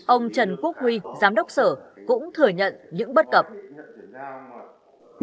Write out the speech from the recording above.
ông trần quốc huy giám đốc sở cũng thừa nhận những bất cập